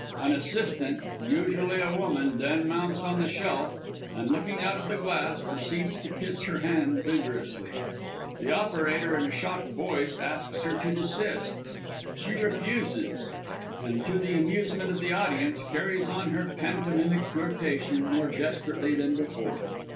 An assistant usually a woman then mounts on the shelf and, looking out of the glass, proceeds to kiss her hand vigorously. The operator in a shocked voice asks her to desist. She refuses and, to the amusement of the audience, carries on her pantomimic flirtation more desperately than before.